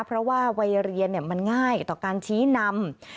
เพราะว่าวัยเรียนมันง่ายต่อการชี้นำ